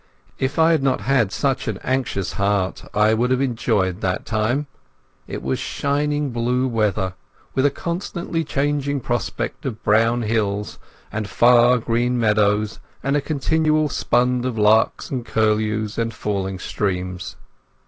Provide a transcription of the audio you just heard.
If I had not had such an anxious heart I would have enjoyed that time. It was shining blue weather, with a constantly changing prospect of brown hills and far green meadows, and a continual sound of larks and curlews and falling streams.